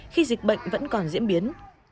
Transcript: khi dịch bệnh vẫn còn diễn biến